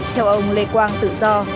theo ông lê quang tự do